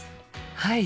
はい！